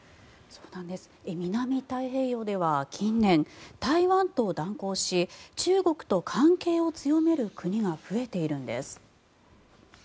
南太平洋では近年台湾と断交し中国と関係を強める国が増えているんです。